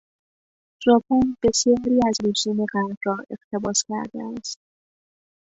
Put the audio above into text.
ژاپن بسیاری از رسوم غرب را اقتباس کرده است.